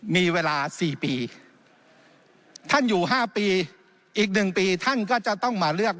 มีเวลาสี่ปีท่านอยู่ห้าปีอีกหนึ่งปีท่านก็จะต้องมาเลือก